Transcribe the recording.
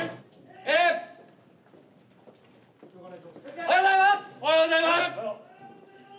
おはようございます。